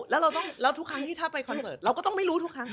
แล้วทุกครั้งที่ถ้าไปคอนเสิร์ตเราก็ต้องไม่รู้ทุกครั้ง